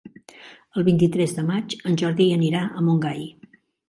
El vint-i-tres de maig en Jordi anirà a Montgai.